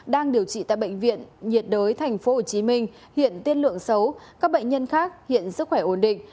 đang điều trị tại bệnh viện nhiệt đới tp hcm hiện tiên lượng xấu các bệnh nhân khác hiện sức khỏe ổn định